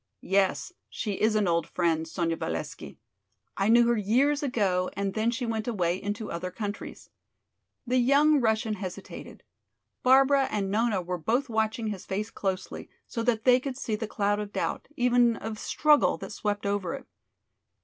"Yes, she is an old friend, Sonya Valesky. I knew her years ago and then she went away into other countries." The young Russian hesitated. Barbara and Nona were both watching his face closely, so that they could see the cloud of doubt, even of struggle, that swept over it.